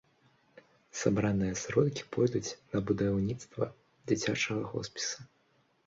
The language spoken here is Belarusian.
Сабраныя сродкі пойдуць на будаўніцтва дзіцячага хоспіса.